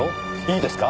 いいですか？